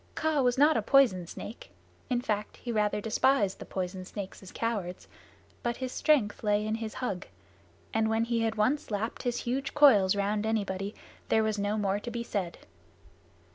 Kaa was not a poison snake in fact he rather despised the poison snakes as cowards but his strength lay in his hug, and when he had once lapped his huge coils round anybody there was no more to be said.